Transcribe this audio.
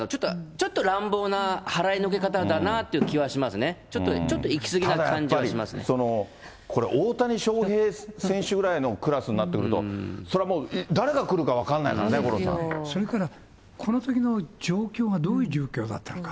ちょっと乱暴な払いのけ方だなあという気がしますね、ちょっと、ただやっぱり、大谷翔平選手ぐらいのクラスになってくると、そらもう、誰が来るか分かんないからね、それからこのときの状況がどういう状況だったのか。